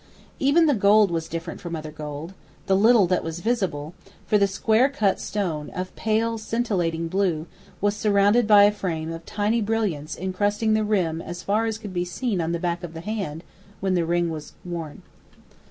Even the gold was different from other gold, the little that was visible, for the square cut stone, of pale, scintillating blue, was surrounded by a frame of tiny brilliants encrusting the rim as far as could be seen on the back of the hand when the ring was worn.